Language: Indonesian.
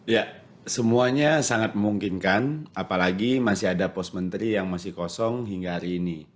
ya semuanya sangat memungkinkan apalagi masih ada pos menteri yang masih kosong hingga hari ini